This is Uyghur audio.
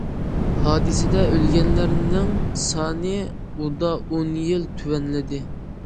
ھادىسىدە ئۆلگەنلەرنىڭ سانى ئۇدا ئون يىل تۆۋەنلىدى.